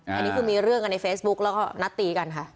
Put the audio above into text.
อันนี้คือมีเรื่องกันในเฟซบุ๊กแล้วก็นัดตีกันค่ะ